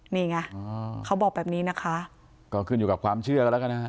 นี่ไงเขาบอกแบบนี้นะคะก็ขึ้นอยู่กับความเชื่อกันแล้วกันนะฮะ